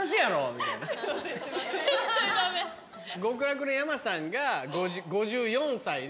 極楽の山さんが５４歳で。